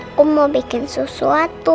aku mau bikin sesuatu